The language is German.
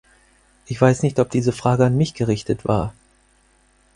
Ich weiß nicht, ob diese Frage an mich gerichtet war.